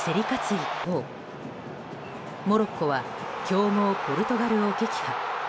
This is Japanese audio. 一方モロッコは強豪ポルトガルを撃破。